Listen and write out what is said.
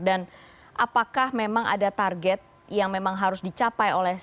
dan apakah memang ada target yang memang harus dicapai oleh